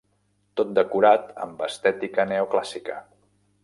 Tot decorat amb estètica neoclàssica.